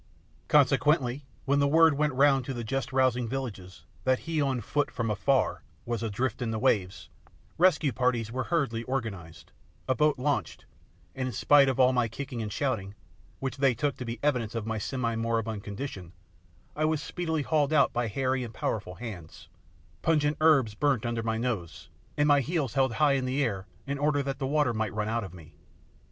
Consequently, when the word went round the just rousing villages that "He on foot from afar" was adrift in the waves, rescue parties were hurriedly organised, a boat launched, and, in spite of all my kicking and shouting (which they took to be evidence of my semi moribund condition), I was speedily hauled out by hairy and powerful hands, pungent herbs burnt under my nose, and my heels held high in the air in order that the water might run out of me.